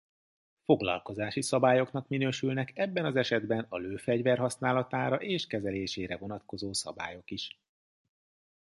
Foglalkozási szabályoknak minősülnek ebben az esetben a lőfegyver használatára és kezelésére vonatkozó szabályok is.